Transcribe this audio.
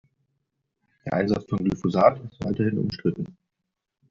Der Einsatz von Glyphosat ist weiterhin umstritten.